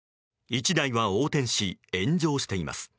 １台は横転し炎上しています。